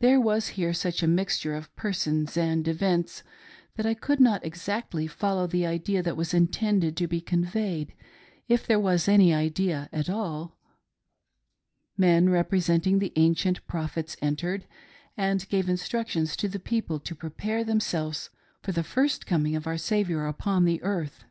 There was here such a mixture of persons and events that I could not exactly follow the idea that was intended to be conveyed, — if there was any idea at all. Men representing the ancient prophets entered, and gave instructions to the people to prepare themselves for the first coming of our Saviour upon earth.